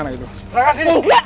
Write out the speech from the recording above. tidak tidak tidak